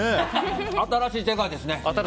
新しい世界ですね。